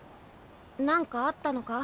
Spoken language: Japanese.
何かあったのか？